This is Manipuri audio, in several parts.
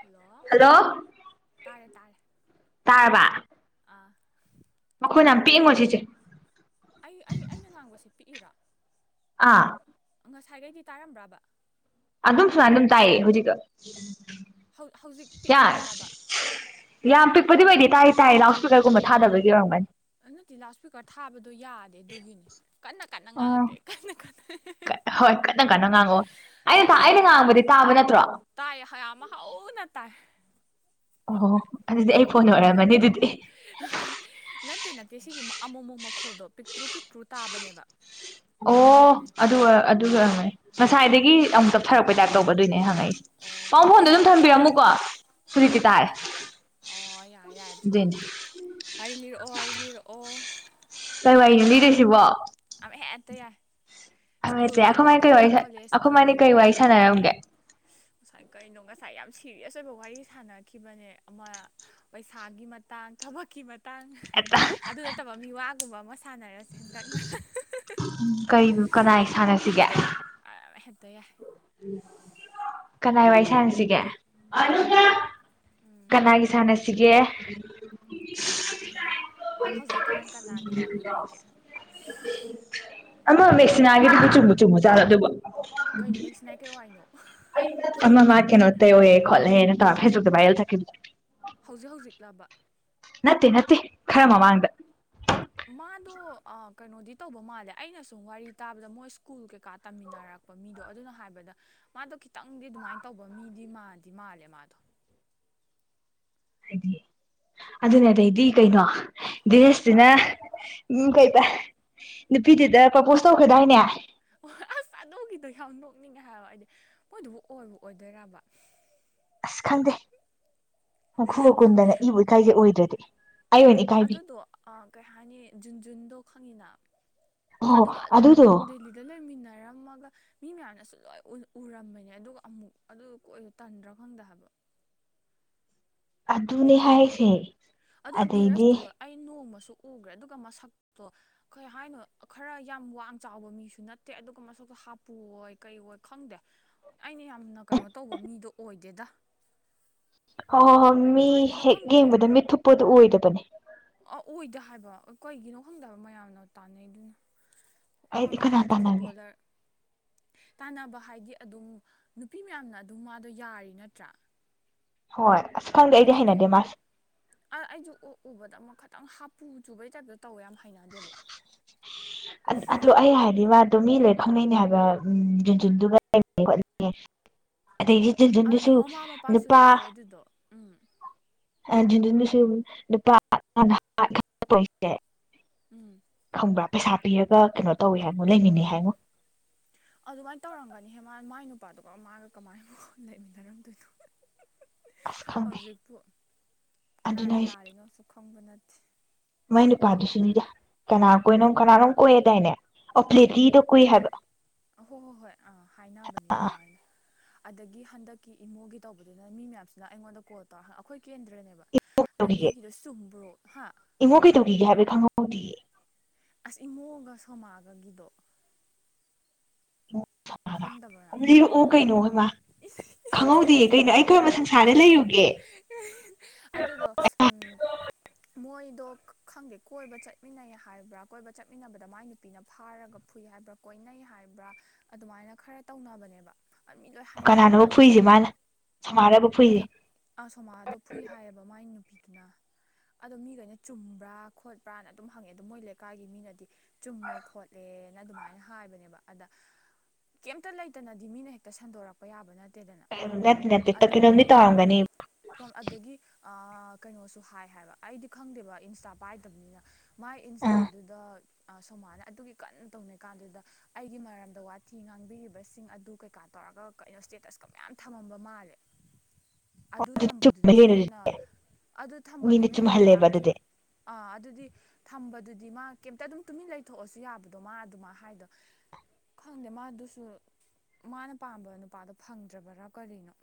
ꯍꯜꯂꯣ ꯍꯜꯂꯣ ꯇꯥꯔꯦ ꯇꯥꯔꯦ ꯑꯥ ꯃꯈꯣꯟꯅ ꯌꯥꯝ ꯄꯤꯛꯏꯉꯣ ꯁꯤꯁꯦ ꯏꯔꯥ ꯑꯥ ꯉꯁꯥꯏꯈꯩꯗꯤ ꯇꯥꯔꯝꯕ꯭ꯔꯕ ꯑꯗꯨꯝ ꯁꯨꯃꯥꯏꯅ ꯑꯗꯨꯝ ꯇꯥꯏꯌꯦ ꯍꯧꯖꯤꯛꯀ ꯍꯧꯖꯤꯛ ꯄꯤꯛꯑꯦ ꯍꯥꯏꯔꯕ ꯄꯨꯗꯤꯕꯨꯗꯤ ꯇꯥꯏ ꯇꯥꯏ ꯂꯥꯎꯠ ꯁ꯭ꯄꯤꯀꯔꯒꯨꯝ ꯊꯥꯗꯕꯒꯤ ꯑꯣꯏꯝꯒꯅꯤ ꯅꯠꯇꯗꯤ ꯂꯥꯎꯠ ꯏꯁꯄꯤꯀꯔ ꯊꯥꯕꯗꯣ ꯌꯥꯗꯦ ꯑꯗꯨꯒꯤꯅꯤ ꯀꯟꯅ ꯀꯟꯅ ꯑꯣ ꯉꯥꯡꯉꯛꯀꯦ ꯀꯟꯅ ꯀꯟꯅ ꯍꯣꯏ ꯀꯟꯅ ꯀꯟꯅ ꯉꯥꯡꯉꯑꯣ ꯑꯩꯅ ꯊ ꯁꯤꯒꯤꯁꯦ ꯑꯩꯅ ꯉꯥꯡꯕꯗꯤ ꯇꯥꯕ ꯅꯠꯇ꯭ꯔꯣ꯫ ꯇꯥꯏ ꯌꯥꯝ [inaudible] [unintelligible] [inaudible] ꯑꯣ ꯑꯗꯨꯗꯤ ꯑꯩ ꯐꯣꯟ ꯑꯣꯏꯔꯝꯃꯅꯤ ꯑꯗꯨꯗꯤ꯫ ꯅꯠꯇꯦ ꯅꯠꯇꯦꯁꯤꯒꯤ ꯃ꯫ ꯑꯃꯨ ꯑꯃꯨꯛ ꯃꯈꯣꯜꯗꯣ ꯄꯤꯛꯇ꯭ꯔꯨ ꯄꯤꯛꯇ꯭ꯔꯨ ꯇꯥꯕꯅꯦꯕ ꯑꯣ ꯑꯗꯨꯒꯤꯅꯦ ꯑꯗꯨ ꯑꯗꯨꯉ ꯑꯣꯏꯔꯝꯒꯅꯤ ꯎꯝ ꯉꯁꯥꯏꯗꯒꯤ ꯑꯃꯨꯛ ꯇꯞꯊꯔꯛꯄꯩ ꯇꯥꯏꯞ ꯇꯧꯒꯗꯣꯏꯅꯦ ꯍꯪꯉꯛꯏ ꯑꯣ ꯄꯥꯎ ꯐꯣꯟꯗꯨ ꯑꯗꯨꯝ ꯍꯧꯖꯤꯛꯇꯤ ꯇꯥꯔꯕ ꯊꯝꯕꯤꯔꯝꯃꯨꯀꯣ ꯍꯨꯖꯤꯛꯇꯤ ꯇꯥꯔꯦ ꯑꯣ ꯌꯥꯔ‌ꯦ ꯌꯥꯔ‌ꯦ ꯑꯗꯨꯗꯤ ꯑꯗꯨꯏꯅꯦ ꯋꯥꯔꯤ ꯂꯤꯔꯛꯑꯣ ꯋꯥꯔꯤ ꯂꯤꯔꯛꯑꯣ ꯀꯩ ꯋꯥꯔꯤꯅ‌ꯣ ꯂꯤꯗ‌ꯣꯏꯁꯤꯕꯣ ꯑꯃ ꯍꯦꯛꯇ ꯌꯥꯏ ꯍꯦ ꯁ꯭ꯀꯨꯜꯒꯤ ꯑꯩꯈꯣꯏ ꯃꯥꯅ ꯀꯩ ꯑꯣꯏꯒꯦꯔꯥ ꯋꯥꯔꯤ ꯑꯩꯈꯣꯏ ꯀꯣꯂꯦꯖꯀꯤ ꯃꯥꯅ ꯀꯩ ꯋꯥꯔꯤ ꯑꯣꯏꯒꯦꯔꯥ ꯁꯥꯟꯅꯔꯝꯒꯦ ꯉꯁꯥꯏ ꯀꯩꯅꯣ ꯉꯁꯥꯏ ꯌꯥꯝ ꯁꯤꯔꯤꯌꯁ ꯑꯣꯏꯕ ꯋꯥꯔꯤ ꯁꯥꯟꯅꯈꯤꯕꯅꯦ ꯑꯃ ꯄꯩꯁꯥꯒꯤ ꯃꯇꯥꯡ ꯊꯕꯛꯀꯤ ꯃꯠ ꯇꯥꯡ ꯍꯦꯛꯇ ꯑꯗꯨ ꯅꯠꯇꯕ ꯃꯤ ꯋꯥꯒꯨꯝꯕ ꯑꯃ ꯁꯥꯟꯅꯔꯁꯦ ꯍ‌ꯦꯛꯇ ꯎꯡ ꯀꯩꯅꯣ ꯀꯅꯥꯏ ꯁꯥꯟꯅꯁ ꯁꯤꯒꯦ ꯑꯃ ꯍꯦꯛꯇ ꯌꯥꯏ ꯀꯅꯥꯏ ꯋꯥꯔꯤ ꯁꯥꯟꯅꯁꯤꯒꯦ ꯀꯅꯥꯒꯤ ꯎꯝ ꯁꯅꯁꯤꯒꯦ ꯀꯅꯥꯒꯤ ꯍꯧꯖꯤꯛꯀꯥꯟ ꯀꯅꯥꯒꯤ ꯋꯥꯔꯤ ꯂꯩꯒꯦ ꯑꯃ ꯃꯦꯁꯅꯒꯤꯗꯨꯕꯨ ꯆꯨꯝꯕ ꯆꯨꯝꯃ ꯖꯥꯠꯂ‌ꯣ ꯑꯗꯨꯕ‌ꯣ ꯀꯩꯅꯣ ꯃ‌ꯦꯛꯁꯤꯅ ꯀꯩ ꯋꯥꯔꯤꯅꯣ ꯑꯃꯥ ꯃꯥ ꯀꯩꯅꯣ ꯇꯧꯋꯦ ꯈꯣꯠꯂꯦꯅ ꯇꯧꯔ ꯐꯦꯁꯕꯨꯛꯇ ꯚꯥꯏꯔꯜ ꯆꯠꯈꯤꯕꯗꯣ ꯍꯧꯖꯤꯛ ꯍꯧꯖꯤꯛꯂꯕ ꯅꯠꯇꯦ ꯅꯠꯇꯦ ꯈꯔꯃ ꯃꯃꯥꯡꯗ ꯃꯥꯗꯣ ꯑ ꯀꯩꯅꯣꯗꯤ ꯇꯧꯕ ꯃꯥꯜꯂꯦ ꯑꯩꯅ ꯁꯨꯝ ꯋꯥꯔꯤ ꯇꯥꯕꯗ ꯃꯣꯏ ꯁ꯭ꯀꯨꯜ ꯀꯩꯀꯥ ꯇꯝꯃꯤꯟꯅꯔꯛꯄ ꯃꯤꯗꯣ ꯑꯗꯨꯅ ꯍꯥꯏꯕꯗ ꯃꯥꯗꯣ ꯈꯤꯇꯪꯗꯤ ꯑꯗꯨꯃꯥꯏꯅ ꯇꯧꯕ ꯃꯤꯗꯤ ꯃꯥꯗꯤ ꯃꯥꯜꯂꯦ ꯃꯥꯗꯣ ꯍꯥꯏꯗꯤ ꯑꯗꯨꯅꯦ ꯑꯗꯩꯗꯤ ꯀꯩꯅꯣ ꯗ꯭ꯔꯦꯁꯇꯨꯅ ꯀꯩ ꯅꯨꯄꯤꯗꯨꯗ ꯄ꯭ꯔꯄꯣꯁ ꯇꯧꯈ꯭ꯔꯗꯥꯏꯅꯦ ꯑꯣ ꯑꯁ ꯑꯗꯨꯥꯗꯣꯒꯤꯗꯣ ꯌꯥꯝ ꯅꯣꯛꯅꯤꯡꯉꯦ ꯍꯥꯏ ꯍꯥꯏꯗꯤ ꯃꯣꯏꯗꯨꯕꯨ ꯑꯣꯏꯕꯨ ꯑꯣꯏꯗ‌ꯣꯏꯔꯥꯕ ꯑꯁ ꯈꯪꯗꯦ ꯍꯣ ꯈꯨꯒ ꯀꯨꯟꯗꯅ ꯏꯕꯨ ꯏꯀꯥꯏꯖꯩ ꯑꯣꯏꯗ꯭ꯔꯗꯤ ꯑꯩ ꯑꯣꯏꯅ ꯏꯀꯥꯏꯕꯤ ꯑꯗꯨꯗꯣ ꯀꯩ ꯍꯥꯏꯅꯤ ꯖꯨꯟꯖꯨꯟꯗꯣ ꯈꯪꯉꯤꯅ ꯑꯣ ꯑꯗꯨꯒ ꯑꯗꯨꯗꯣ ꯑꯗꯨꯝ ꯗꯦꯜꯂꯤꯗ ꯂꯩꯃꯤꯟꯅꯔꯝꯃꯒ ꯃꯤ ꯃꯌꯥꯝꯅ ꯁꯨ ꯂꯣꯏ ꯎꯔꯝꯕꯅꯦ ꯑꯗꯨꯒ ꯑꯃꯨꯛ ꯑꯗꯨ ꯀꯣꯏꯔꯤꯗꯣ ꯇꯟꯗ꯭ꯔꯥ ꯈꯪꯗ‌ꯦ ꯍꯥꯏꯕ ꯑꯗꯨꯅꯦ ꯍꯥꯏꯁꯦ ꯑꯣ ꯙꯤꯔꯖꯇꯣ ꯑꯩ ꯅꯣꯡꯃ ꯇꯨ ꯎꯒꯔ‌ꯦ ꯑꯗꯨꯒ ꯃꯁꯛꯇꯣ ꯀꯩ ꯍꯥꯏꯅꯣ ꯈꯔ ꯌꯥꯝ ꯋꯥꯡ ꯆꯥꯎꯕ ꯃꯤꯁꯨ ꯅꯠꯇꯦ ꯑꯗꯨꯒ ꯃꯁꯛꯇꯣ ꯍꯥꯞꯄꯨꯣꯏ ꯀꯩꯑꯣꯏ ꯈꯪꯗꯦ ꯑꯩꯅ ꯌꯥꯝꯅ ꯀꯩꯅꯣ ꯇꯧꯕ ꯃꯤꯗꯣ ꯑꯣꯏꯗꯦꯗ ꯍꯣꯏ ꯍꯣꯏ ꯍꯣꯏ ꯃꯤ ꯀꯩꯒꯤꯅꯣ ꯍꯦꯛ ꯌꯦꯡꯕꯗ ꯃꯤꯠ ꯊꯨꯞꯄꯗꯨꯣ ꯑꯣꯏꯗꯕꯅꯦ ꯑ ꯑꯣꯏꯗ ꯍꯥꯏꯕ ꯀꯩꯒꯤꯅꯣ ꯈꯪꯗ‌ꯦ ꯍꯥꯏꯕ ꯃꯌꯥꯝꯅ ꯇꯥꯟꯅꯩꯗꯨꯅ ꯑꯩꯗꯤ ꯍꯣꯏꯃꯥ ꯀꯅꯥ ꯇꯥꯟꯅꯒꯦ ꯐꯨꯠꯕꯣꯂꯔ ꯇꯥꯟꯅꯕ ꯍꯥꯏꯗꯤ ꯑꯗꯨꯝ ꯅꯨꯄꯤ ꯃꯌꯥꯝꯅ ꯑꯗꯨꯝ ꯃꯥꯗꯣ ꯌꯥꯔꯤ ꯅꯠꯇ꯭ꯔꯥ ꯍꯣꯏ ꯑꯁ ꯈꯪꯗꯦ ꯑꯩꯗꯤ ꯑꯗꯨꯗꯣ ꯍꯩꯅꯗꯦ ꯃꯥꯁꯦ ꯑ ꯑꯩꯗ ꯎꯕꯗ ꯑꯃꯨꯛ ꯈꯇꯪ ꯍꯥꯞ ꯄꯨꯖꯕꯩ ꯇ ꯑꯗꯨ ꯑꯩ ꯍꯥꯏꯅꯤ ꯃꯥ ꯑꯗꯨꯣ ꯃꯤ ꯂꯣꯏ ꯈꯪꯅꯩꯅꯦ ꯍꯥꯏꯕ ꯎ ꯖꯨꯟꯖꯨꯟꯗꯨꯒ ꯂꯩ ꯑꯗꯩ ꯑꯗꯨꯗꯣ ꯖꯨꯟꯖꯨꯟꯗꯨꯁꯨ ꯃꯃꯥ ꯃꯄꯥꯁꯨ ꯅꯨꯄꯥ ꯌꯥꯎꯋꯦ ꯑꯗꯨꯗꯣ ꯎꯝ ꯖꯨꯟꯖꯨꯟꯗꯨꯁꯨ ꯅꯨꯄꯥ [unintelligible] ꯎꯝ [inaudible] ꯈꯪꯕ꯭ꯔꯥ ꯄꯩꯁꯥ ꯄꯤꯔꯒ ꯀꯩꯅꯣ ꯇꯧꯋꯤ ꯍꯥꯏꯃꯣ ꯂꯩꯃꯤꯟꯅꯩ ꯍꯥꯏꯃꯣ ꯑꯗꯨꯃꯥꯏꯅ ꯇꯧꯔꯝꯒꯅꯤ ꯍꯦ ꯃꯥ ꯃꯥꯏ ꯅꯨꯄꯥꯗꯨꯒ ꯃꯥꯒ ꯀꯃꯥꯏꯅ ꯂꯩꯃꯤꯟꯅꯔꯝꯗꯣꯏꯅꯣ ꯑꯁ ꯈꯪꯗꯦ ꯍꯧꯖꯤꯛꯄꯨ ꯑꯗꯨꯅ ꯀꯅꯥꯅ ꯑꯩꯁꯦ ꯂꯥꯜꯂꯤꯅꯣ ꯈꯪꯕ ꯅꯠꯇꯦ ꯃꯥꯏ ꯅꯨꯄꯥꯗꯨꯁꯨꯅꯤꯗ ꯀꯅꯥ ꯀꯣꯏꯅꯣꯝ ꯀꯅꯥꯅꯣꯝ ꯀꯣꯏꯌꯦꯗꯥꯏꯅꯦ ꯑꯣ ꯄ꯭ꯂꯦꯇꯤꯗ ꯀꯣꯏ ꯍꯥꯏꯕ ꯍꯣꯏ ꯍꯣꯏ ꯍꯣꯏ ꯑꯥ ꯍꯥꯏꯅꯕꯅꯦ ꯑꯥ ꯑꯥ ꯑꯗꯨꯃꯥꯏꯅ ꯑꯗꯒꯤ ꯍꯟꯗꯛꯀꯤ ꯏꯃꯣꯒꯤ ꯇꯧꯕꯗꯨꯅ ꯃꯤ ꯃꯌꯥꯝꯁꯤꯅ ꯑꯩꯉꯣꯟꯗ ꯀꯣꯜ ꯇꯧꯔ ꯑꯩꯈꯣꯏ ꯀꯦꯟꯗ꯭ꯔꯅꯦꯕ ꯏꯃꯣ ꯑꯗꯣ ꯀꯩꯗꯧꯔꯤꯒꯦ ꯅꯣꯏꯒꯤꯗꯣ ꯆꯨꯝꯕ꯭ꯔꯣ ꯍꯥ ꯏꯃꯣ ꯀꯩꯗꯧꯒꯤꯒꯦꯕ ꯈꯪꯉ ꯃꯗꯤ ꯑꯁ ꯏꯃꯣꯒ ꯁꯣꯃꯥꯒꯒꯤꯗꯣ ꯈꯪꯗꯕ꯭ꯔꯅ ꯍ ꯂꯤꯔꯛꯑꯣ ꯀꯩꯅꯣ ꯍꯥꯏꯃ ꯈꯪꯍꯧꯗꯦ ꯀꯩꯅꯣ ꯑꯩꯀꯔꯝꯕ ꯁꯪꯁꯥꯔꯗ ꯂꯩꯔꯨꯒꯦ ꯑꯗꯨꯗꯣ ꯎꯝ ꯃꯣꯏꯗꯣ ꯈꯪꯗꯦ ꯀꯣꯏꯕ ꯆꯠꯃꯤꯟꯅꯩ ꯍꯥꯏꯕ꯭ꯔꯥ ꯀꯣꯏꯕ ꯆꯠꯃꯤꯟꯅꯕꯗ ꯃꯥꯏ ꯅꯨꯄꯤꯅ ꯐꯥꯔꯒ ꯐꯨꯏ ꯍꯥꯏꯕ꯭ꯔꯥ ꯀꯣꯏꯅꯩ ꯍꯥꯏꯕ꯭ꯔꯥ ꯑꯗꯨꯃꯥꯏꯅ ꯈꯔ ꯇꯧꯅꯕꯅꯦꯕ ꯑ ꯃꯤ ꯂꯣꯏ ꯍꯥꯏꯅꯕꯅꯦꯕ ꯀꯅꯥꯅꯣꯕ ꯑꯗꯨ ꯃꯤ ꯐꯨꯏꯁꯦ ꯃꯥꯅ ꯁꯃꯥꯔꯕ ꯅꯠꯇꯦ ꯐꯨꯏꯁꯦ ꯑꯁꯣꯃꯥꯗꯣ ꯐꯨꯏ ꯍꯥꯏꯌꯦꯕ ꯃꯥꯏ ꯅꯨ ꯄꯤꯒꯅ ꯑꯗꯣ ꯃꯤꯈꯩꯅ ꯆꯨꯝꯕ꯭ꯔꯥ ꯈꯣꯠꯄ꯭ꯔꯥꯅ ꯑꯗꯨꯝ ꯍꯪꯉꯦ ꯑꯗꯣ ꯃꯣꯏ ꯂꯩꯀꯥꯏꯒꯤ ꯃꯤꯅꯗꯤ ꯆꯨꯝꯃꯦ ꯈꯣꯠꯂꯦꯅ ꯑꯗꯨꯃꯥꯏꯅ ꯍꯥꯏꯕꯅꯦꯕ ꯑꯗ ꯀꯩꯝꯇ ꯂꯩꯇꯅꯗꯤ ꯃꯤꯅ ꯍꯦꯛꯇ ꯁꯟꯗꯣꯔꯛꯄ ꯌꯥꯕ ꯅꯠꯇꯦ ꯇꯦꯗꯅ ꯅꯠꯇꯦ ꯅꯠꯇꯦ ꯀꯩꯅꯣꯝꯗꯤ ꯑꯗꯒꯤ ꯇꯧꯔꯝꯒꯅꯤ ꯁꯣ ꯑꯗꯒꯤ ꯀꯩꯅꯣꯁꯨ ꯍꯥꯏ ꯍꯥꯏꯕ ꯑꯩꯗꯤ ꯈꯪꯗꯦꯕ ꯏꯟꯁꯇꯥ ꯄꯥꯏꯗꯕꯅꯤꯅ ꯃꯥꯥꯏ ꯏꯟꯁꯇꯥꯗꯨꯗ ꯁꯣꯃꯥꯅ ꯑꯗꯨꯒꯤ ꯀꯟꯅ ꯇꯧꯅꯩ ꯀꯥꯟꯗꯨꯗ ꯑꯩꯒꯤ ꯃꯔꯝꯗ ꯋꯥ ꯊꯤ ꯉꯥꯡꯕꯤꯔꯤꯕꯁꯤꯡ ꯑꯗꯨ ꯀꯩꯀꯥ ꯇꯧꯔꯒ ꯀꯩꯅꯣ ꯁ꯭ꯇꯦꯇꯁꯀ ꯃꯌꯥꯝ ꯊꯝꯃꯝꯕ ꯃꯥꯜꯂꯦ ꯑꯗꯨ ꯆꯨꯝꯕ ꯊꯝꯕꯗꯨꯅꯁꯨ ꯍꯦꯟꯅ ꯑꯗꯨ ꯃꯤꯅ ꯊꯝꯕꯗꯨꯅ ꯍꯦꯟꯅ ꯆꯨꯝꯍꯜꯂꯦꯕ ꯌꯥꯝ ꯑꯗꯨꯗꯤ ꯊꯤꯅ ꯑꯥ ꯑꯗꯨꯗꯤ ꯊꯝꯕꯗꯨꯗꯤ ꯃꯥ ꯀꯩꯝꯇ ꯑꯗꯨꯝ ꯇꯨꯃꯤꯟ ꯂꯩꯊꯣꯛꯑꯁꯨ ꯌꯥꯕꯗꯣ ꯃꯥ ꯑꯗꯨꯃ ꯍꯥꯏꯗꯣ ꯈꯪꯗꯦ ꯃꯥꯗꯨꯁꯨ ꯃꯥꯅ ꯄꯥꯝꯕ ꯅꯨꯄꯥꯗꯣ ꯐꯪꯗ꯭ꯔꯕꯔꯥ ꯀꯔꯤꯅꯣ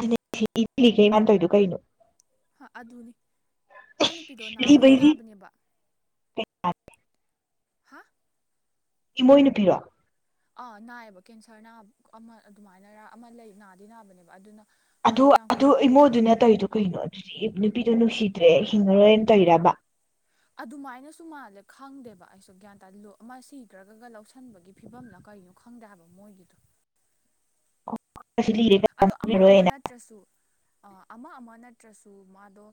ꯑꯗꯨ ꯊ ꯊꯤꯈ ꯃꯥꯅ ꯇꯧꯏꯗꯣ ꯀꯩꯅꯣ ꯑ ꯑꯗꯨꯅꯤ ꯃꯥꯏ ꯅꯨꯄꯤꯗꯣ ꯅꯥꯕꯨꯗꯤ ꯂꯤꯕꯩꯗꯤ ꯅꯥꯕꯅꯦꯕ ꯍꯥ ꯏꯃꯣꯏꯅꯨꯄꯤꯔꯣ ꯑꯥ ꯅꯥꯏꯌꯦꯕ ꯀꯦꯟꯁꯔ ꯅꯥꯕ ꯑꯃ ꯑꯗꯨꯃꯥꯏꯅꯔ ꯑꯃ ꯂꯩ ꯅꯥꯗꯤ ꯅꯥꯕꯅꯦꯕ ꯑꯗꯨꯅ ꯑꯗꯨ ꯃꯥꯗꯤ ꯌꯥꯝ ꯑꯗꯨ ꯀꯨꯏꯅ ꯏꯃꯣꯗꯨꯅ ꯇꯧꯔꯤꯗꯣ ꯀꯩꯅꯣ ꯗꯤ ꯅꯨꯄꯤꯗꯣ ꯅꯨꯡꯁꯤꯗ꯭ꯔꯦ ꯍꯤꯡꯉꯔꯣꯏꯅ ꯇꯧꯏꯔꯕ ꯑꯗꯨꯃꯥꯏꯅꯁꯨ ꯃꯥꯜꯂꯦ ꯈꯪꯗꯦꯕ ꯑꯩꯁꯨ ꯒ꯭ꯌꯥꯟ ꯇꯥꯂꯨ ꯑꯃ ꯁꯤꯈ꯭ꯔꯒꯒ ꯂꯧꯁꯤꯟꯕꯒꯤ ꯐꯤꯕꯝꯂ ꯀꯩꯅꯣ ꯈꯪꯗꯦ ꯍꯥꯏꯕ ꯃꯣꯏꯒꯤꯗꯣ ꯑꯁꯤ ꯂꯤꯔꯦ ꯑꯗꯣ ꯑꯃ ꯑꯃ ꯅꯠꯇ꯭ꯔꯁꯨ ꯑꯃ ꯑꯃ ꯅꯠꯇ꯭ꯔꯁꯨ ꯃꯥꯗꯣ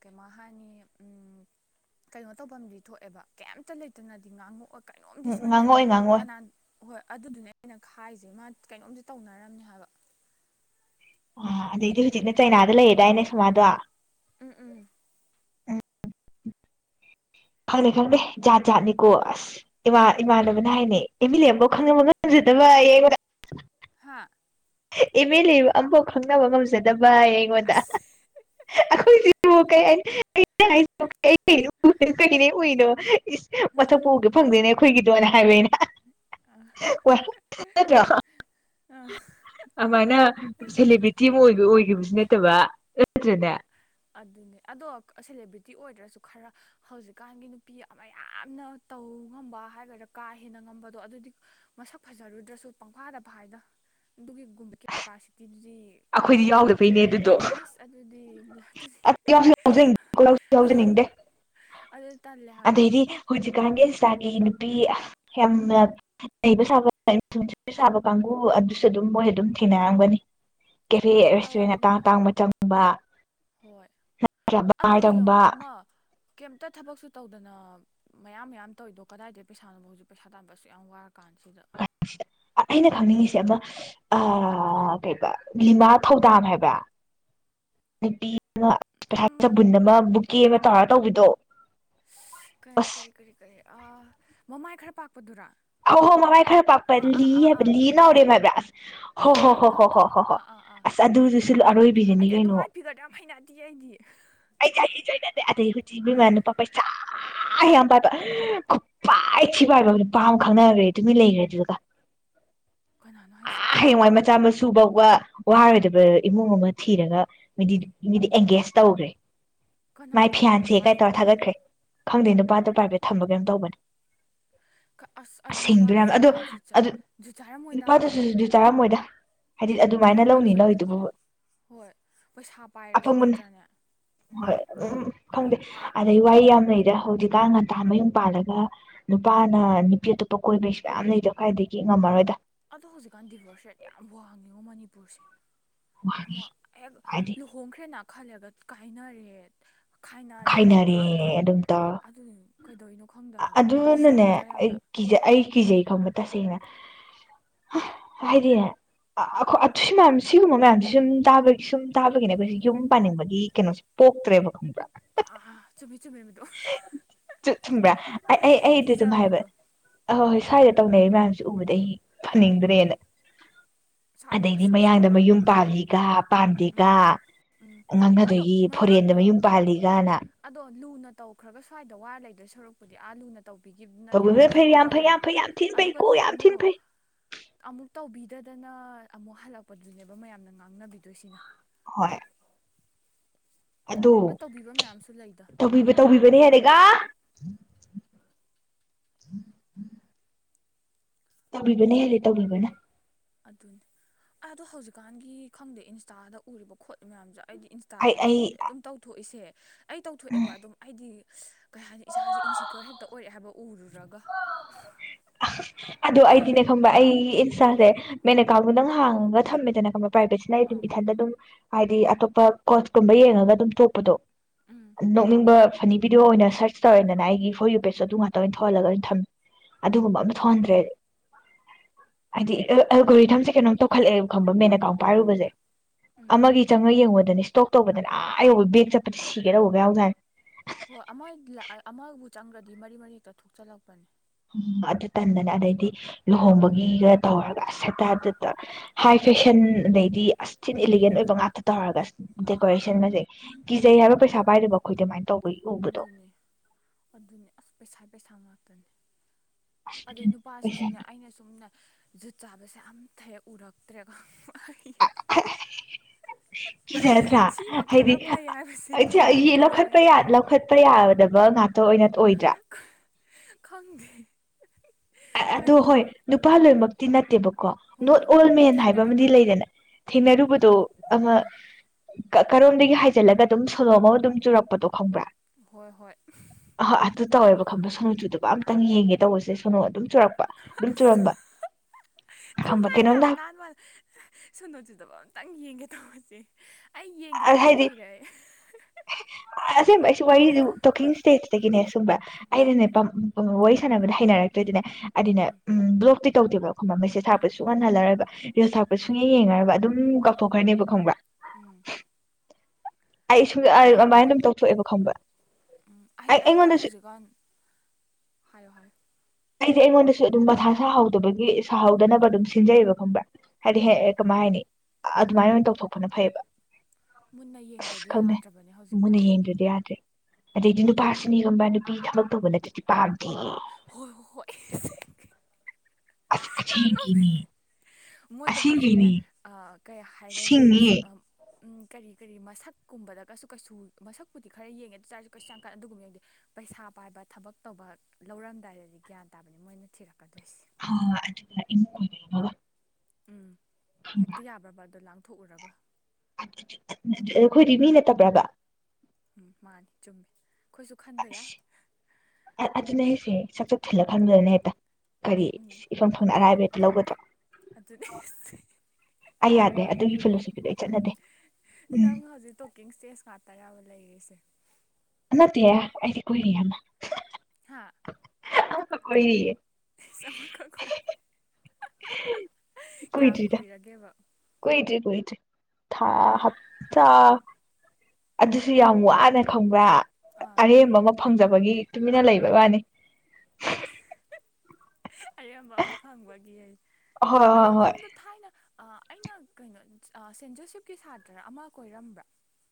ꯀꯩꯃ ꯍꯥꯏꯅꯤ ꯀꯩꯅꯣ ꯇꯧꯐꯝꯗꯤ ꯊꯣꯛꯑꯦꯕ ꯀꯩꯝꯇ ꯂꯩꯇꯅꯗꯤ ꯉꯥꯡꯉꯛꯑ ꯀꯩꯅꯣꯝꯗꯤ ꯁꯣꯏ ꯂꯩꯝꯅꯤ ꯉꯥꯡꯉꯛꯑꯣꯏ ꯉꯥꯡꯉꯛꯑꯣꯏ ꯀꯅꯥ ꯍꯣꯏ ꯑꯗꯨꯗꯨꯅꯦ ꯑꯩꯅ ꯈꯥꯏꯁꯦ ꯃꯥ ꯀꯩꯅꯣꯝꯗꯤ ꯇꯧꯅꯔꯝꯅꯤ ꯍꯥꯏꯕ ꯑ ꯑꯗꯩꯗꯤ ꯍꯧꯖꯤꯛꯅ ꯆꯩꯅꯥꯗ ꯂꯩꯌꯦꯗꯥꯏꯅꯦ ꯁꯣꯃꯥꯗꯣ ꯎꯝ ꯎꯝ [unintelligible] ꯈꯪꯗꯦ ꯈꯪꯗꯦ ꯖꯥꯠ ꯖꯥꯠꯅꯤꯀꯣ ꯑꯁ ꯏꯃꯥ ꯏꯃꯥꯟꯅꯕꯅ ꯍꯥꯏꯅꯦ ꯏꯃꯤꯂꯦ ꯑ ꯑꯃꯕꯧ ꯈꯪꯅꯕ ꯎꯝ ꯉꯥꯡꯖ ꯑꯗꯨ ꯌꯦꯉ [unintelligible] ꯍꯥ ꯏꯃꯦꯂꯤ ꯑꯃꯐꯥꯎ ꯈꯪꯅꯕ ꯉꯝꯖꯗꯕ ꯚꯏ ꯑꯩꯉꯣꯟꯗ ꯑꯁ ꯑꯩꯈꯣꯏ ꯇ ꯀꯩ ꯍꯥꯏ [unintelligible] [unintelligible] [inaudible] ꯀꯩꯅꯦ ꯎꯨꯏꯗꯣ ꯏꯁ ꯃꯊꯛ ꯄꯨꯒꯦ ꯐꯪꯗꯦꯅꯦ ꯑꯩꯈꯣꯏꯒꯤꯗꯣꯅꯦ ꯍꯥꯏꯕꯅꯤ ꯅ [unintelligible] ꯠꯇ꯭ꯔꯣ [unintelligible] ꯑ ꯑꯃꯅ ꯁꯂꯤꯦꯕ꯭ꯔꯤꯇꯤ ꯃ [unintelligible] ꯑꯣꯏꯈꯤꯕꯁꯨ ꯅꯠꯇꯕ ꯅꯠꯇ꯭ꯔꯅꯦ ꯑꯗꯨꯅꯦ ꯑꯗꯣ ꯁꯦꯂꯦꯕ꯭ꯔꯤꯇꯤ ꯑꯣꯏꯗ꯭ꯔꯁꯨ ꯈꯔ ꯍꯧꯖꯤꯛꯀꯥꯟꯒꯤ ꯅꯨꯄꯤ ꯑꯃꯌꯥꯝꯅ ꯇꯧ ꯉꯝꯕ ꯍꯥꯏꯒꯗ꯭ꯔꯥ ꯀꯥ ꯍꯦꯟꯅ ꯉꯝꯕꯗꯣ ꯑꯗꯨꯗꯤ ꯃꯁꯛ ꯐꯖꯔꯨꯗ꯭ꯔꯁꯨ ꯄꯪꯐꯥꯗꯟ ꯐꯥꯗꯅ ꯑꯗꯨꯒꯤꯒꯨꯝꯕ ꯀꯦꯄꯥꯁꯤꯇꯤꯗꯨ ꯗꯤ ꯈꯪꯗꯦ ꯑꯩꯈꯣꯏꯗꯤ ꯌꯥꯎꯗꯕꯩꯅꯦ ꯑꯁ ꯑꯗꯨꯗꯤ ꯑ ꯌꯥꯖꯅꯤꯡꯦ ꯌꯥꯎꯖꯅꯤꯡꯗꯦ ꯑꯗꯨ ꯇꯜꯂꯦ ꯍꯥꯏꯕ ꯑꯗꯗꯤ ꯍꯧꯖꯤꯛ ꯑꯁ [unintelligible] ꯏꯆꯥꯒꯤ ꯅꯨꯄꯤ ꯌꯥꯝꯅ ꯅꯩꯕ ꯁꯥꯕꯅꯨꯡꯕ ꯁꯥꯕ ꯀꯥꯡꯕꯨ ꯑꯗꯨꯁꯨ ꯑꯗꯨꯝ ꯃꯣꯏ ꯑꯗꯨꯝ ꯊꯦꯡꯅꯔꯝꯒꯅꯤ ꯀꯦꯐꯦ ꯍꯣꯏ ꯔꯦꯁꯇꯨꯔꯦꯟ ꯑꯇꯥꯡ ꯇꯧꯔꯝꯅꯤꯗ ꯑꯇꯥꯡꯕ ꯆꯪ ꯕꯥ ꯍꯣꯏ ꯑꯗꯨ ꯌꯦꯡ ꯑꯃ ꯀꯩꯝꯇ ꯊꯕꯛꯁꯨ ꯇꯧꯗꯅ ꯃꯌꯥꯝ ꯃꯌꯥꯝ ꯇꯧꯋꯤꯗꯣ ꯀꯗꯥꯏꯗ ꯄꯩꯁꯥꯅꯣꯕ ꯍꯧꯖꯤꯛ ꯄꯩꯁꯥ ꯇꯥꯟꯕꯁꯨ ꯌꯥꯝ ꯋꯥꯔ꯭ꯔꯦ [unintelligible] ꯑꯩꯅ ꯈꯪꯅꯤꯡꯉꯤꯁꯦ ꯑꯃ ꯑ ꯀꯩꯕ ꯂꯤꯃꯥ ꯎꯝ ꯊꯧꯗꯥꯝ ꯍꯥꯏꯕ ꯄꯤ ꯎꯝ ꯍꯞ ꯕꯨꯟ ꯎꯝ ꯑꯃ ꯕꯨꯛꯀꯤ ꯃ [unintelligible] ꯇꯔ ꯇꯧꯕꯤꯗꯣ [unintelligible] ꯀ ꯑꯁ ꯀꯔꯤ ꯀꯔꯤ ꯀꯔꯤ [unintelligible] ꯃꯃꯥꯏ ꯈꯔ ꯄꯥꯛꯄꯗꯨꯔꯥ ꯍ ꯍꯣꯏ ꯃꯃꯥꯏ ꯈꯔ ꯄꯥꯛꯄ ꯑꯥ ꯑꯥ ꯂꯤ ꯑꯥ ꯍꯥꯏꯕ ꯑꯥ ꯂꯤ ꯅꯥꯎꯔꯦꯝ ꯍꯥꯏꯕ꯭ꯔꯥ ꯑꯁ ꯍꯣ ꯍꯣ ꯈꯪꯉꯦ ꯍꯣꯏ ꯍꯣꯏ ꯈꯪꯉꯦ ꯍꯣꯏ ꯈꯪꯉꯦ ꯍꯣꯏ ꯍꯣꯏ ꯑꯥ ꯑꯥ ꯑꯥ ꯑꯁ ꯑꯗꯨꯗꯨꯁꯨ ꯑꯔꯣꯏꯕꯤꯒꯅꯤ ꯑꯩꯗꯤ ꯀꯩꯅꯣ ꯑꯗꯨꯃꯥꯏ ꯐꯤꯒꯔꯗꯣ ꯌꯥꯝ ꯍꯩꯅꯗꯤꯌꯦ ꯑꯩꯗꯤ ꯑꯩ ꯆꯥꯏ ꯆꯣꯏꯅꯗꯦ ꯑꯗꯩ ꯍꯧꯖꯤꯛ ꯃꯤꯃꯥꯅꯄꯥ ꯄꯩꯁꯥ [unintelligible] ꯑ ꯌꯥꯝ ꯄꯥꯏꯕ ꯈꯨꯄꯥꯏꯊꯤ ꯄꯥꯏꯕ ꯄꯥꯝ ꯈꯪꯅꯈ꯭ꯔꯦ ꯗꯨꯃꯤꯟ ꯂꯩꯈ꯭ꯔꯦ ꯑꯗꯨꯗꯨꯒ ꯀꯅꯥꯅꯣ [unintelligible] ꯑ ꯍꯥꯏꯁꯦ ꯍꯌꯦꯋꯥꯏ ꯃꯆꯥ ꯃꯁꯨ ꯁꯨꯐꯥꯎ ꯋꯥ ꯋꯥꯔꯣꯏꯗꯕ ꯏꯃꯨꯡ ꯑꯃ ꯊꯤꯔꯒ ꯃꯤꯗꯤ ꯃꯤꯗꯤ ꯑꯦꯡꯒꯦꯖ ꯇꯧꯈꯒꯔꯦ [unintelligible] ꯃꯥꯏ ꯀꯅꯥꯅꯣ ꯍꯥꯏꯁꯦ ꯐꯤꯌꯥꯟꯁꯦ ꯀꯥꯏ ꯅꯨꯄꯥꯁꯤꯅ ꯇꯧꯔ ꯊꯥꯒꯠꯈ꯭ꯔꯦ ꯈꯪꯗꯦ ꯅꯨꯄꯥꯗ ꯄ꯭ꯔꯥꯏꯚꯦꯠ ꯊꯝꯕ ꯀꯩꯝ ꯇꯧꯕꯅꯦ ꯑꯁ ꯑꯗꯨ ꯁꯤꯡꯗꯣꯔ ꯅꯨꯄꯥꯗꯨꯁꯨ ꯑꯗꯣ ꯀꯌꯥ ꯖꯨꯠ ꯑꯗꯨ ꯖꯨꯠ ꯆꯥꯔꯝꯃꯣꯏꯗ ꯅꯨꯄꯥꯗꯨꯁꯨ ꯑꯗꯨ ꯆꯥꯔꯝꯃꯣꯏꯗ ꯍꯥꯏꯗꯤ ꯑꯗꯨꯃꯥꯏꯅ ꯆꯥꯔꯝꯃꯣꯏ ꯂꯧꯅꯤ ꯑꯁ ꯑꯗꯨꯅꯤ ꯂꯧꯔꯤꯗꯨꯕꯨ ꯍꯣꯏ ꯄꯩꯁꯥ ꯄꯥꯏꯔꯁꯨ ꯑꯐꯪꯕ ꯅꯠꯇ꯭ꯔꯥꯅꯦ ꯍꯣꯏ ꯎꯝ ꯈꯪꯗꯦ ꯑꯗꯩ ꯋꯥ ꯌꯥꯝ ꯂꯩꯔꯦ ꯍꯧꯖꯤꯛꯀ ꯉꯟꯇꯥ ꯃꯌꯨꯝ ꯄꯥꯜꯂꯒ ꯅꯨꯄꯥꯅ ꯅꯨꯄꯤ ꯑꯇꯣꯞꯄ ꯀꯣꯏꯕꯩꯁꯨ ꯃꯌꯥꯝ ꯂꯩꯗꯣ ꯀꯥꯏꯗꯒꯤ ꯉꯝꯃꯔꯣꯏꯗ ꯑꯗꯣ ꯄꯨꯁꯟ ꯋꯥꯅꯤ ꯍꯥꯏꯗꯤ [unintelligible] ꯂꯍꯣꯡꯈ꯭ꯔꯦꯅꯥ ꯈꯜꯂꯒ ꯀꯥꯏꯅꯔꯦ ꯈꯥꯏꯅꯗꯣꯔꯦ ꯈꯥꯏꯅꯔꯦ ꯉꯥꯛꯇ ꯑꯗꯨꯝ ꯇꯧꯔ ꯑꯗꯨꯅꯤ ꯀꯩꯗꯧꯔꯤꯅꯣ ꯈꯪꯗ ꯍꯥꯏꯕ ꯑꯗꯨꯅꯅꯦ ꯀꯤꯖꯗ꯭ꯔꯥ ꯑꯩ ꯌꯥꯝꯅ ꯀꯤꯖꯩ ꯑꯩ ꯀꯤꯖꯩ ꯈꯪꯕ꯭ꯔꯥ ꯇꯁꯦꯡꯅ ꯍꯥꯏꯗꯤꯃꯌꯥꯝ ꯁꯤꯒꯨꯝꯕ ꯃꯌꯥꯝꯁꯤꯦ ꯁꯨꯝꯥꯕꯒꯤ ꯁꯨꯝ ꯇꯥꯕꯒꯤꯅꯦ ꯑꯩꯈꯣꯏꯁꯦ ꯌꯨꯝ ꯄꯥꯅꯤꯡꯕꯒꯤ ꯀꯩꯅꯣꯁꯦ ꯄꯣꯛꯇ꯭ꯔꯦꯕ ꯈꯪꯕ꯭ꯔꯥ ꯑꯥ ꯆꯨꯝꯃꯤ ꯆꯨꯝꯃꯤꯕꯗꯣ ꯆ ꯊꯨꯡꯕ꯭ꯔꯥ ꯑꯩ ꯑꯩ ꯑꯩꯗꯤ ꯑꯗꯨꯝ ꯍꯥꯏꯕ ꯀꯤꯖꯕꯗꯣ ꯑꯣꯏ ꯍꯣꯏ ꯁ꯭ꯋꯥꯏꯗ ꯇꯧꯅꯔꯤꯕ ꯃꯌꯥꯝꯁꯦ ꯎꯕꯗ ꯑꯩ ꯐꯅꯤꯡꯗ꯭ꯔꯦꯅ ꯁ꯭ꯋꯥꯏ ꯑꯗꯩꯗꯤ ꯑꯁ ꯃꯌꯥꯡꯗ ꯍꯧꯖꯤꯛꯀꯥꯟ ꯃꯌꯨꯝ ꯄꯥꯜꯂꯤꯒ ꯄꯥꯟꯝꯗꯤꯀ ꯎꯝ ꯎꯝ ꯑꯗꯣ ꯑꯉꯥꯡꯅꯗꯣꯏꯒꯤ ꯐꯣꯔꯦꯟꯗ ꯃꯌꯥꯡꯗ ꯃꯌꯨꯝ ꯄꯥꯍꯜꯂꯤ ꯑꯂ [unintelligible] ꯑꯗꯣ ꯂꯨꯅ ꯇꯧꯈ꯭ꯔꯒ ꯁ꯭ꯋꯥꯏꯗ ꯋꯥꯔ ꯂꯩꯗꯣꯏ ꯁꯣꯔꯨꯄꯨꯗꯤ ꯑꯥ ꯂꯨꯅ ꯇꯧꯕꯤꯈꯤꯕꯅꯗꯤ ꯇꯧꯕꯤꯕ ꯑꯃꯨꯛꯁꯨ ꯐꯩ ꯌꯥꯝ ꯐꯩ ꯌꯥꯝ ꯐꯔꯤꯅꯦ ꯐꯩ ꯌꯥꯝ ꯊꯤꯅ ꯑꯗꯨꯒ ꯐꯩꯀꯣ ꯌꯥꯝ ꯊꯤꯅ ꯑꯃꯨꯛ ꯐꯩ ꯑꯃꯨꯛ ꯇꯧꯕꯤꯗꯗꯅ ꯑꯃꯨꯛ ꯍꯜꯂꯛꯄꯗꯨꯅꯦꯕ ꯃꯌꯥꯝꯅ ꯉꯥꯡꯅꯕꯤꯗ ꯑꯗꯨꯏꯁꯤꯅ ꯍꯣꯏ ꯑ ꯍꯣꯏ ꯇꯧꯕꯤꯕ ꯃꯌꯥꯝꯁꯨ ꯂꯩꯗ ꯇꯧꯕꯤꯕꯅꯦ ꯍꯥꯏ ꯔꯥ [unintelligible] ꯇꯧꯕꯤꯕꯅ ꯍꯦꯜꯂꯦ ꯇꯧꯕꯤꯕꯅ ꯑꯗꯨꯅꯦ ꯑꯗꯣ ꯍꯧꯖꯤꯛꯀꯥꯟꯒꯤ ꯈꯪꯗꯦ ꯏꯟꯁꯇꯥꯗ ꯎꯔꯤꯕ ꯈꯣꯠꯂꯤ ꯃꯌꯥꯝꯖꯦ ꯑꯩꯗꯤ ꯑꯩ ꯏꯟꯁꯇꯥꯖꯦ ꯑꯩ ꯗꯤꯑꯦꯛꯇꯤꯕꯦꯠ ꯑꯗꯨꯝ ꯇꯧꯊꯣꯛꯏꯁꯦ ꯑꯩ ꯇꯧꯊꯣꯛꯑꯦꯕ ꯑꯗꯨꯝ ꯑꯩꯗꯤ ꯍꯁ ꯀꯩ ꯍꯥꯏꯅꯤ ꯏꯁꯥꯖꯦ ꯏꯟꯁꯤꯀ꯭ꯌꯣꯔ ꯍꯦꯛꯇ ꯑꯣꯏꯔꯛꯑꯦ ꯍꯥꯏꯕ ꯎꯔꯨꯔꯒ ꯍꯍ ꯑꯥ ꯍ ꯑꯗꯣ ꯑꯩꯗꯤꯅꯦ ꯈꯪꯕ ꯑꯩ ꯏꯟꯁꯥꯖꯦ ꯃꯦꯟ ꯑꯦ ꯀꯥꯎꯟ ꯑꯃꯒ ꯍꯥꯡꯉꯒ ꯊꯝꯃꯦꯗꯅ ꯈꯪꯕ꯭ꯔꯥ ꯄ꯭ꯔꯥꯏꯕꯦꯠꯁꯤꯅ ꯑꯩ ꯑꯗꯨꯝ ꯑꯥ ꯏꯊꯟꯗ ꯑꯗꯨꯝ ꯍꯥꯏꯗꯤ ꯑꯇꯣꯞꯄ ꯀꯣꯠꯁꯀꯨꯝꯕ ꯌꯦꯡꯉꯒ ꯑꯗꯨꯝ ꯊꯣꯛꯄꯗꯣ ꯎꯝ ꯅꯣꯛꯅꯤꯡꯕ ꯐꯅꯤ ꯚꯤꯗꯤꯑꯣ ꯑꯣꯏꯅ ꯁꯔꯁꯆ ꯇꯧꯔꯦꯗꯅ ꯑꯩꯒꯤ ꯐꯣꯔ ꯌꯨ ꯄꯦꯖ ꯑꯗꯨ ꯉꯥꯛꯇ ꯑꯣꯏꯅ ꯊꯣꯛꯍꯜꯂꯒ ꯑꯣꯏꯅ ꯊꯝꯃꯦ ꯑꯗꯨꯒꯨꯝꯕ ꯑꯝꯇ ꯎꯝ ꯊꯣꯛꯍꯟꯗ꯭ꯔꯦ ꯍꯥꯏꯗꯤ ꯑꯦꯜ ꯑꯦꯜꯒꯣꯔꯤꯊꯝꯁꯦ ꯀꯩꯅꯣꯝ ꯇꯧꯈꯠꯂꯛꯑꯦꯕ ꯈꯪꯕ꯭ꯔꯥ ꯃꯦꯟ ꯑꯦꯀꯥꯎꯟ ꯎꯝ ꯄꯥꯏꯔꯨꯕꯖꯦ ꯎꯝ ꯑꯃꯒꯤ ꯆꯪꯉ ꯌꯦꯡꯉꯨꯕꯗꯅꯦ ꯏꯁꯇꯣꯛ ꯇꯧꯕꯗꯅꯦ ꯑꯥ ꯌꯧꯕ ꯕꯦꯒ ꯆꯠꯄꯗ ꯁꯤꯒꯦ ꯇꯧꯕꯒ ꯌꯥꯎꯖꯥꯅꯦ ꯍꯣꯏ ꯑꯃꯒꯤ ꯂ ꯑ ꯑꯃꯕꯨ ꯆꯪꯒ꯭ꯔꯗꯤ ꯃꯔꯤ ꯃꯔꯤ ꯍꯦꯛꯇ ꯊꯣꯛꯆꯜꯂꯛꯄꯅꯤ ꯎꯝ ꯑꯗꯨ ꯇꯟꯗꯅ ꯑꯗꯩꯗꯤ ꯂꯨꯍꯣꯡꯕꯒꯤꯒ ꯇꯧꯔꯒ ꯑꯁ ꯍꯦꯇꯥ ꯍꯥꯏꯞꯇꯦꯇ ꯍꯥꯏ ꯐꯦꯁꯟ ꯑꯗꯩꯗꯤ ꯑꯁ ꯊꯤꯟ ꯎꯝ ꯏꯂꯤꯒꯦꯟ ꯑꯣꯏꯕ ꯉꯥꯛꯇ ꯇꯧꯔꯒ ꯑꯁ ꯗꯦꯀꯣꯔꯦꯁꯟꯒꯥꯖꯦ ꯀꯤꯖꯩ ꯍꯥꯏꯕ ꯄꯩꯁꯥ ꯄꯥꯏꯗꯕ ꯑꯩꯈꯣꯏꯗꯤ ꯑꯗꯨꯃꯥꯏꯅ ꯇꯧ ꯑꯗꯨꯅꯦ ꯑꯗꯨꯅꯦ ꯑꯁ ꯄꯩꯁꯥ ꯄꯩꯁꯥꯃꯇꯅꯤ ꯑꯁ ꯑꯗꯩ ꯑꯗꯨꯅꯤ ꯄꯩꯁꯥ ꯅꯨꯄꯥꯁꯤꯁꯨꯅꯦ ꯑꯩꯅ ꯁꯨꯝ ꯅ ꯖꯨꯠ ꯆꯥꯕꯁꯦ ꯑꯝꯇ ꯍꯦꯛ ꯎꯔꯛꯇ꯭ꯔꯦꯕ [unintelligible] ꯀꯤꯖꯔꯠꯇ꯭ꯔꯥ ꯍꯥꯏꯗꯤ ꯐꯩ ꯍꯥꯏꯕꯁꯤ ꯑꯩꯁꯦ [unintelligible] ꯊꯦꯡꯅꯔꯛꯇ꯭ꯔꯦ ꯂꯧꯈꯠꯄ ꯂꯧꯈꯠꯄ ꯌꯥꯗꯕ ꯉꯥꯛꯇ ꯑꯣꯏꯅ ꯑꯣꯏꯗ꯭ꯔꯥ ꯈꯪꯗꯦ ꯑꯗꯣ ꯀꯩꯅꯣ ꯍꯣꯏ ꯅꯨꯄꯥ ꯂꯣꯏꯃꯛ ꯇꯤꯟ ꯅꯠꯇꯦ ꯕꯧ ꯀꯣ ꯅꯣꯠ ꯍꯣꯏ ꯍꯣꯏ ꯑꯣꯜ ꯃꯦꯟ ꯍꯥꯏꯕ ꯑꯃꯗꯤ ꯊꯦꯡꯅꯔꯕꯗꯣ ꯂꯩꯗꯅ ꯎꯝ ꯊꯦꯡꯅꯔꯨꯕꯗꯣ ꯑꯃ꯫ ꯎꯝ ꯀ ꯀꯔꯣꯝꯗꯒꯤ ꯍꯥꯏꯖꯤꯜꯂꯒ ꯑꯗꯨꯝ ꯁꯣꯅꯣ ꯑꯃ ꯑꯗꯨꯝ ꯆꯨꯔꯛꯄꯗꯣ꯫ ꯈꯪꯕ꯭ꯔ ꯍꯣꯏ ꯍꯣꯏ ꯑꯍꯣ ꯑꯗꯨ ꯇꯧꯋꯦꯕ ꯈꯪꯕ ꯁꯣꯅꯣꯆꯨꯗ ꯅꯨꯄꯥ ꯑꯝꯇꯪ ꯌꯦꯡꯒꯦ ꯇꯧꯕꯁꯦ ꯁꯣꯅꯣ ꯑꯗꯨꯝ ꯆꯨꯔꯛꯄ ꯑꯗꯨꯝ ꯑꯁ ꯆꯨꯔꯝꯕ ꯈꯪꯕ ꯈꯨꯍꯥꯏꯖꯦ ꯌꯥꯝ ꯀꯩꯅꯣꯝꯇ ꯅꯥꯟꯕꯋꯥꯅꯤ ꯁꯣꯅꯣ ꯆꯨꯗꯕ ꯑꯝꯇꯪ ꯌꯦꯡꯒꯦ ꯇꯧꯕꯁꯦ ꯑꯩ ꯌꯦꯡꯒꯤꯗꯕ ꯍꯥꯏꯗꯤ ꯀꯨꯏꯔꯦ ꯑꯁꯦꯡꯕ ꯑꯩꯁꯨ ꯋꯥꯔꯤꯗꯨ ꯇꯣꯀꯤꯡ ꯁ꯭ꯇꯦꯖ ꯇꯒꯤꯅꯦ ꯕ꯭ꯔ ꯑꯩꯅꯅꯦ ꯄꯝ ꯋꯥꯔꯤ ꯁꯥꯟ ꯁꯥꯟꯅꯕꯗ ꯎꯝ ꯍꯩꯅꯔꯛꯇ꯭ꯔꯗꯤꯅꯦ ꯑꯩꯗꯤꯅꯦ ꯎꯝ ꯕ꯭ꯂꯣꯛꯇꯤ ꯇꯧꯗꯦꯕ ꯈꯪꯕ꯭ꯔ ꯃꯦꯁꯦꯖ ꯎꯝ ꯊꯥꯔꯛꯄꯁꯦ ꯁꯨꯡꯍꯟ ꯍꯜꯂꯔꯣꯏꯕ ꯔꯤꯜꯁ ꯊꯥꯔꯛꯄ ꯎꯝ ꯁꯨꯡꯌꯦꯡ ꯌꯦꯡꯉꯔꯣꯏꯕ ꯑꯗꯨꯝ ꯎꯝ ꯀꯥꯎꯞꯊꯣꯛꯈ꯭ꯔꯅꯦꯕ ꯈꯪꯕ꯭ꯔ꯫ ꯎꯝ ꯑꯩ꯫ ꯑ ꯑꯗꯣ ꯀꯣ ꯑꯃꯥꯏꯅ ꯑꯗꯨꯝ ꯇꯧꯊꯣꯛꯑꯦꯕ ꯈꯪꯕ꯭ꯔꯥ ꯑꯩ ꯑꯩꯉꯣꯟꯗꯁꯨ ꯍꯥꯏꯌꯣ ꯍꯥꯏꯌꯣ꯫ ꯑꯩꯁꯦ ꯑꯩꯉꯣꯟꯗꯁꯨ ꯑꯗꯨꯝ ꯃꯊꯥ ꯁꯥꯍꯧꯗꯕꯒꯤ ꯁꯥꯍꯧꯗꯅꯕ ꯎꯝ ꯑꯗꯨꯝ ꯁꯤꯟꯖꯩꯌꯦꯕ ꯈꯪꯕ꯭ꯔꯥ ꯍꯥꯏꯗꯤ ꯍ ꯑꯦ ꯎꯝ ꯀꯃꯥꯏ ꯍꯥꯏꯅꯤ ꯑꯥ ꯑꯗꯨꯃꯥꯏꯅ ꯑꯣꯏꯅ ꯇꯧꯊꯣꯛꯄꯅ ꯐꯩꯌꯦꯕ꯫ ꯃꯨꯟꯅ ꯑꯁ ꯌꯦꯡꯗꯗꯤ ꯈꯪꯗꯦ ꯌꯥꯗ꯭ꯔꯕꯅꯦ ꯃꯨꯟꯅ ꯍꯧꯖꯤꯛꯀꯥꯟꯗꯤ ꯌꯦꯡꯗ꯭ꯔꯗꯤ ꯌꯥꯗ꯭ꯔꯦ ꯑꯗꯩꯗꯤ ꯅꯨꯄꯥ [unintelligible] ꯅꯨꯄꯤ ꯊꯕꯛ ꯇꯧꯕ ꯅꯠꯇ꯭ꯔꯗꯤ ꯄꯥꯝ ꯗꯦ ꯏꯁ [unintelligible] ꯑꯁ ꯑꯁꯦꯡꯀꯤꯅꯦ ꯃꯣꯏꯗꯣ ꯍꯧꯖꯤꯛꯅꯦ ꯑꯥ ꯀꯩ ꯍꯥꯏꯔꯅꯤ ꯁꯤꯡꯉꯦ ꯑꯥ ꯀꯔꯤ ꯀꯔꯤ ꯃꯁꯛꯀꯨꯝꯕꯗꯒꯁꯨ ꯀꯩꯁꯨ ꯃꯁꯛꯄꯨꯗꯤ ꯈꯔ ꯌꯦꯡꯉꯦ ꯑꯗꯨ ꯑꯣꯏꯇꯥꯥꯔꯁꯨ ꯀꯩꯁꯨ ꯌꯥꯝ ꯀꯟ ꯑꯗꯨꯒꯨꯝꯕ ꯌꯦꯡꯗꯦ ꯄꯩꯁꯥ ꯄꯥꯏꯕ ꯊꯕꯛ ꯇꯧꯕ ꯂꯧꯔꯝꯗꯥꯏꯗꯗꯤ ꯒ꯭ꯌꯥꯟ ꯇꯥꯕꯅꯤ ꯃꯣꯏꯅ ꯊꯤꯔꯛꯀꯗꯣꯏꯁꯦ꯫ ꯍꫭ ꯍꯣ ꯍꫭꯏ ꯑꯗꯨꯅꯦ ꯑꯩꯅ [unintelligible] ꯎꯝ ꯍꯦꯛꯇ ꯌꯥꯕ꯭ꯔꯥꯕ ꯑꯗꯨꯂꯥꯡ ꯊꯣꯛꯎꯔꯒ ꯑꯩꯈꯣꯏꯗꯤ ꯃꯤ ꯅꯠꯇꯕ꯭ꯔꯥꯕ ꯎꯝ ꯃꯥꯅꯤ ꯆꯨꯝꯃꯤ ꯑꯩꯈꯣꯏꯁꯨ ꯈꯟꯕ ꯌꯥꯏ ꯑꯁ ꯑꯗꯨꯅꯦ ꯍꯥꯏꯁꯦ ꯆꯛ ꯆꯛ ꯊꯤꯜꯂꯒ ꯈꯟꯗꫭꯏꯅꯦ ꯍꯦꯛꯇ ꯀꯔꯤ ꯎꯝ ꯏꯁ ꯏꯐꯣꯡ ꯐꯣꯡꯅ ꯑꯗꯨꯅꯦ ꯑꯔꯥꯏꯕ ꯍꯦꯛꯇ ꯂꯧꯒꯗ꯭ꯔꯣ ꯑꯗꯨꯅꯦ ꯑꯩ ꯌꯥꯗꯦ ꯑꯗꯨꯒꯤ ꯐꯤꯂꯣꯁꯣꯐꯤꯗꯣ ꯑꯩ ꯆꯠꯅꯗꯦ ꯎꯝ ꯅꯪ ꯍꯧꯖꯤꯛ ꯇꯣꯛꯀꯤꯡ ꯏꯁꯇꯦꯖ ꯉꯥꯛꯇꯔꯥꯕ ꯂꯩꯔꯤꯁꯦ ꯅꯠꯇꯦꯍꯦ ꯑꯩꯗꯤ ꯀꯣꯏꯔꯤ ꯑꯃ ꯍꯥ ꯑꯃ ꯀꯣꯏꯔꯤꯌꯦ ꯏꯁ ꯑꯃꯈꯛ ꯀꫭꯏ ꯑꯑ ꯀꯌꯥꯝ ꯀꯨꯏꯗ꯭ꯔꯤꯗ ꯀꯨꯏꯔꯒꯦꯕ ꯀꯨꯏꯗ꯭ꯔꯤ ꯀꯨꯏꯗ꯭ꯔꯤ ꯊꯥ ꯍꯞꯇꯥ ꯑꯗꯨꯁꯨ ꯌꯥꯝ ꯋꯥꯅ ꯈꯪꯕ꯭ꯔꯥ ꯑꯥ ꯑꯔꯦꯝꯕꯃ ꯐꯪꯖꯕꯒꯤ ꯇꯨꯃꯤꯟꯅ ꯂꯩꯕ ꯋꯥꯅꯤ ꯑꯔꯦꯝꯕ ꯑꯃ ꯐꯪꯕꯒꯤ ꯑꯌꯦ ꯍꯣꯏ ꯍꯣꯏ ꯑꯗꫭ ꯍꯣꯏ ꯅꯪꯗ ꯊꯥꯏꯅ ꯑꯩꯅ ꯀꯩꯅꯣ ꯁꯦꯟ ꯖꯣꯁꯦꯞꯀꯤ ꯁꯥꯇ꯭ꯔ ꯑꯃ ꯀꯣꯏꯔꯝꯕ꯭ꯔꯥ